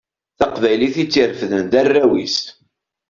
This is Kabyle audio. Taqbaylit i tt-irefden d arraw-is.